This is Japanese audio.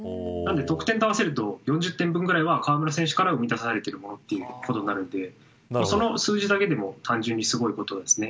得点と合わせると４０点分ぐらいは河村選手から生み出されていることになるんでその数字だけも単純にすごいことですね。